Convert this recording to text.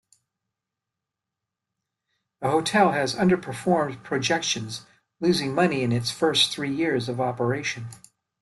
The hotel has underperformed projections, losing money in its first three years of operation.